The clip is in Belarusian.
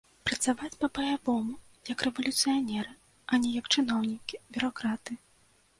Працаваць па-баявому, як рэвалюцыянеры, а не як чыноўнікі, бюракраты.